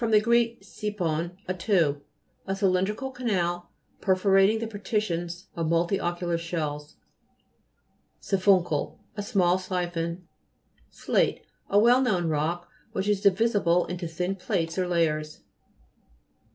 gr. siphon, a tube. A cylindrical canal, perforating the partitions of multilocular shells. SI'PHUNCLE A small siphon. SLATE A well known rock, which is divisible into thin plates or layers.